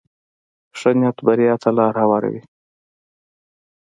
ښه نیت بریا ته لاره هواروي.